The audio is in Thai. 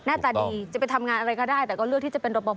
หน้าตาดีจะไปทำงานอะไรก็ได้แต่ก็เลือกที่จะเป็นระบบ